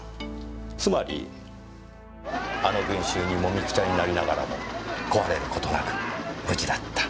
つまりあの群集にもみくちゃになりながらも壊れる事なく無事だった。